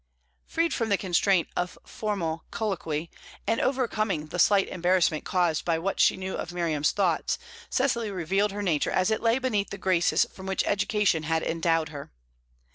Freed from the constraint of formal colloquy, and overcoming the slight embarrassment caused by what she knew of Miriam's thoughts, Cecily revealed her nature as it lay beneath the graces with which education had endowed her.